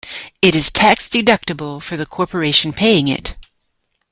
It is tax deductible for the corporation paying it.